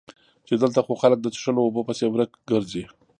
چې دلته خو خلک د څښلو اوبو پسې ورک ګرځي